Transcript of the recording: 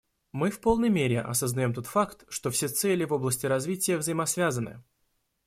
Мы в полной мере осознаем тот факт, что все цели в области развития взаимосвязаны.